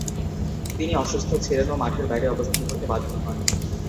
তিনি অসুস্থ ছিলেন ও মাঠের বাইরে অবস্থান করতে বাধ্য হন।